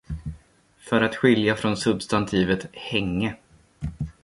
För att skilja från substantivet "hänge".